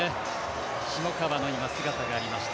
下川の姿がありました。